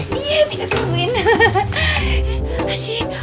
iya tinggal kebun